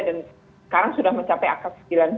dan sekarang sudah mencapai akad